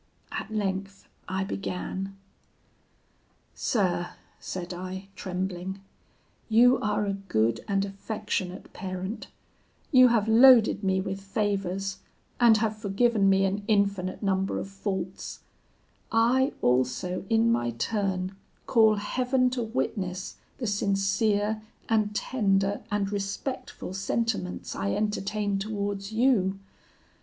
"At length I began. "'Sir,' said I, trembling, 'you are a good and affectionate parent; you have loaded me with favours, and have forgiven me an infinite number of faults; I also, in my turn, call Heaven to witness the sincere, and tender, and respectful sentiments I entertain towards you.